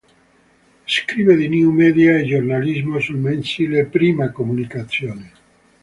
Scrive di new media e giornalismo sul mensile "Prima Comunicazione".